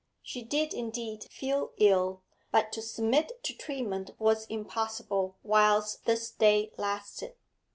She did indeed feel ill, but to submit to treatment was impossible whilst this day lasted.